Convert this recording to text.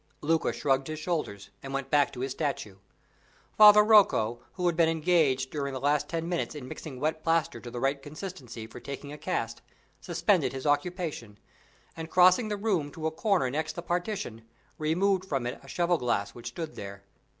Luca shrugged his shoulders, and went back to his statue. Father Rocco, who had been engaged during the last ten minutes in mixing wet plaster to the right consistency for taking a cast, suspended his occupation; and crossing the room to a corner next the partition, removed from it a cheval glass which stood there.